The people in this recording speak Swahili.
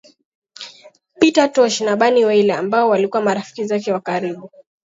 Peter Tosh na Bunny Wailer ambao walikuwa marafiki zake wa karibu